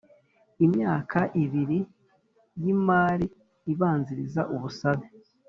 imyaka ibiri y imari ibanziriza ubusabe